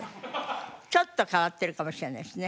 ちょっと変わってるかもしれないですね。